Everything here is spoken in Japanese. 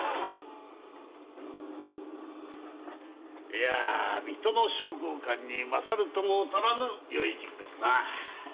いやあ水戸の彰考館に勝るとも劣らぬよい塾ですな。